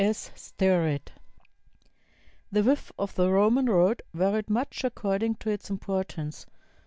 S. STERRETT The width of the Roman road varied much according to its importance.